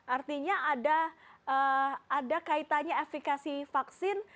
artinya ada kaitannya efekasi vaksin